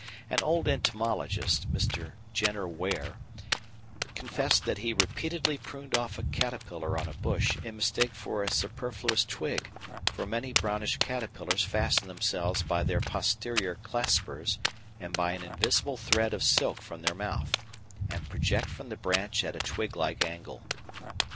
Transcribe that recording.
An old entomologist, Mr. Jenner Weir, confessed that he repeatedly pruned off a caterpillar on a bush in mistake for a superfluous twig, for many brownish caterpillars fasten themselves by their posterior claspers and by an invisible thread of silk from their mouth, and project from the branch at a twig like angle.